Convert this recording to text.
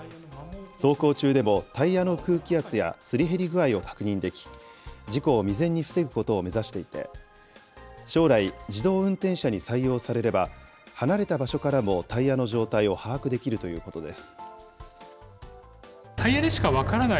走行中でもタイヤの空気圧やすり減り具合を確認でき、事故を未然に防ぐことを目指していて、将来、自動運転車に採用されれば、離れた場所からもタイヤの状態を把握できるということです。